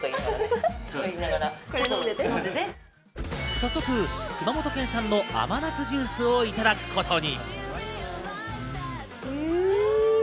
早速、熊本県産の甘夏ジュースをいただくことに。